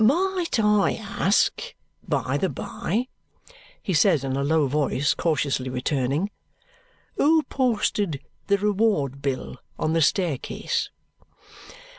"Might I ask, by the by," he says in a low voice, cautiously returning, "who posted the reward bill on the staircase."